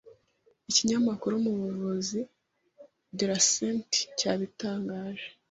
ikinyamakuru mu buvuzi The Lancet cyabitangaje.